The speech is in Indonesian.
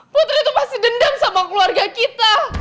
putri itu pasti dendam sama keluarga kita